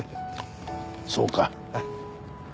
そうか。